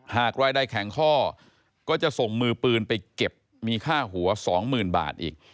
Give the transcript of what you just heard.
หากรายใดแข็งข้อก็จะส่งมือปืนไปเก็บมีค่าหัว๒๐๐๐บาทอีก